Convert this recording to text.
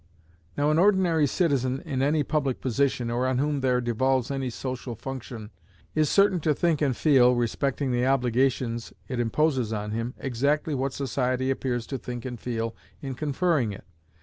Now an ordinary citizen in any public position, or on whom there devolves any social function, is certain to think and feel, respecting the obligations it imposes on him, exactly what society appears to think and feel in conferring it.